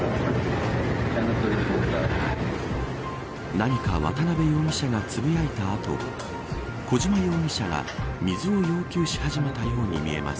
何か渡辺容疑者がつぶやいた後小島容疑者が水を要求し始めたように見えます。